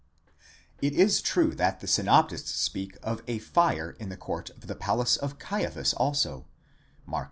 It is true that the synoptists speak of a fire in the court of the palace of Caiaphas also (Mark v.